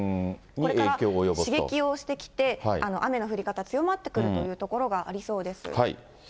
これから刺激をしてきて、雨の降り方、強まってくるという所がありそうです。